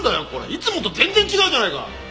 いつもと全然違うじゃないか！